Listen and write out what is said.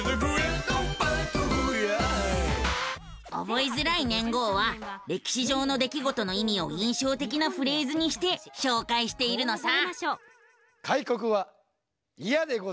覚えづらい年号は歴史上の出来事の意味を印象的なフレーズにして紹介しているのさ。